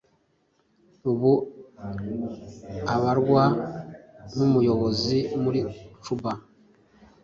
ubu abarwa nk’umuyobozi muri cuba